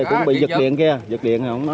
cũng bị giật điện kia